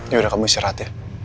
yaudah kamu istirahat ya